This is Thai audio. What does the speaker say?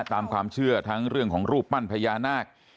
ตามความเชื่อทั้งเรื่องของรูปปั้นพญานาค